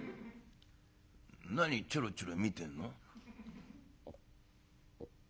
何ちょろちょろ見てんの？」。